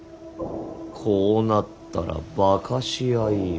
こうなったら化かし合いよ。